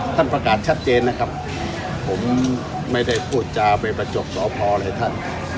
ท่านประกาศชัดเจนนะครับผมไม่ได้พูดจาไปประจบสพอะไรท่าน